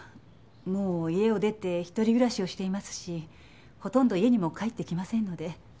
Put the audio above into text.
もう家を出て一人暮らしをしていますしほとんど家にも帰ってきませんので。